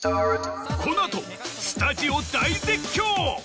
この後スタジオ大絶叫！